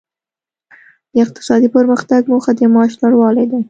د اقتصادي پرمختګ موخه د معاش لوړوالی دی.